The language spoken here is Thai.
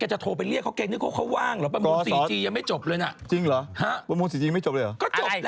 จริงจริงทางแอ๊บบ้านเขาขอยื่น